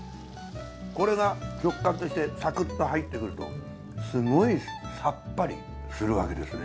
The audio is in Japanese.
これが食感としてサクッと入ってくるとすごいさっぱりするわけですね。